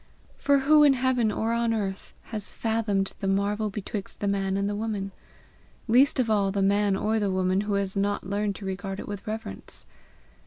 For who in heaven or on earth has fathomed the marvel betwixt the man and the woman? Least of all the man or the woman who has not learned to regard it with reverence.